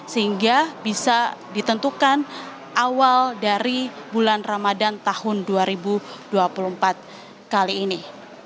sehingga bisa ditentukan awal dari bulan ramadan tahun dua ribu dua puluh empat kali ini